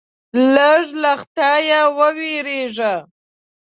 لږ له خدایه ووېرېږه.